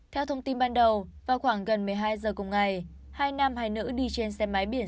theo thông tin ban đầu vào khoảng gần một mươi hai giờ cùng ngày hai nam hai nữ đi trên xe máy biển